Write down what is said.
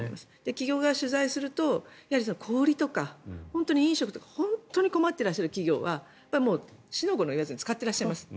企業側を取材すると小売りとか飲食とか本当に困ってらっしゃる企業は四の五の言わずに使っていらっしゃいます。